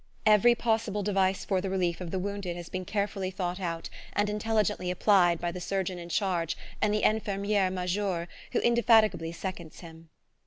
Every possible device for the relief of the wounded has been carefully thought out and intelligently applied by the surgeon in charge and the infirmiere major who indefatigably seconds him.